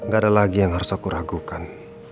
gak ada lagi yang harus aku ragukan